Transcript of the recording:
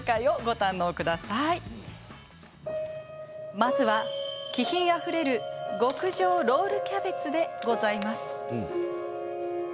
まずは、気品あふれる極上ロールキャベツでございます。